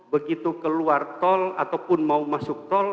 begitu keluar tol ataupun mau masuk tol